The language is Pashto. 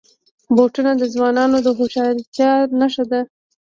بوټونه د ځوانانو د هوښیارتیا نښه ده.